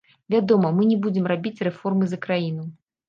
Вядома, мы не будзем рабіць рэформы за краіну.